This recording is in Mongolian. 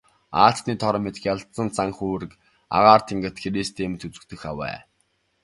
Аалзны тор мэт гялалзсан цан хүүрэг агаар тэнгэрт хэрээстэй мэт үзэгдэх авай.